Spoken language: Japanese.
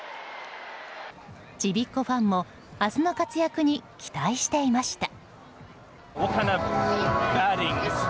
ちびっ子ファンも明日の活躍に期待していました。